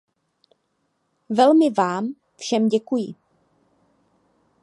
Velmi vám všem děkuji.